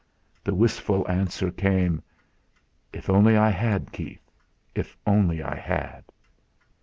The wistful answer came: "If only I had, Keith if only I had!"